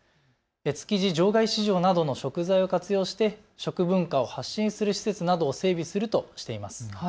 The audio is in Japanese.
築地場外市場などの食材を活用して食文化を発信する施設などを整備するとしています。